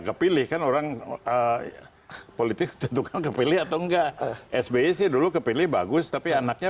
kepilihkan orang politik tentukan kepilih atau enggak sbe sih dulu kepilih bagus tapi anaknya